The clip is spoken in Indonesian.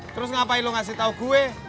terus ngapain lo ngasih tahu gue